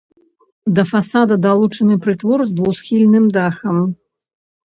Да фасада далучаны прытвор з двухсхільным дахам.